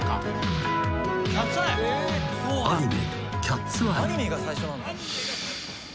［アニメ］